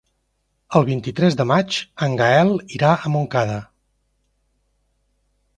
El vint-i-tres de maig en Gaël irà a Montcada.